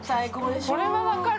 これは分かる。